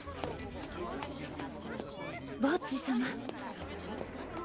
ボッジ様。